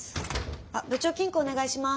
あっ部長金庫お願いします。